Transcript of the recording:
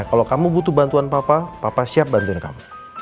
kalau kamu butuh bantuan papa papa siap bantuin kamu